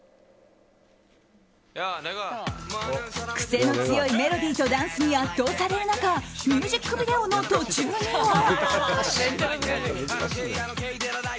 癖の強いメロディーとダンスに圧倒される中ミュージックビデオの途中には。